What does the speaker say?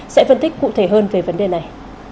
sẽ phân tích cụ thể hơn về vấn đề này